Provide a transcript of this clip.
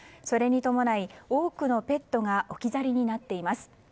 それに伴い多くのペットが置き去りになっています。